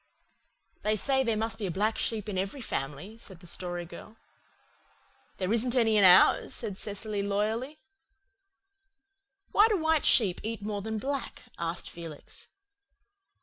"They say there must be a black sheep in every family," said the Story Girl. "There isn't any in ours," said Cecily loyally. "Why do white sheep eat more than black?" asked Felix.